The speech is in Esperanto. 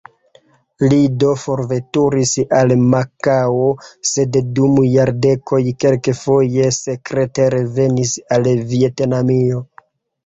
Li do forveturis al Makao, sed dum jardeko kelkfoje sekrete revenis al Vjetnamio.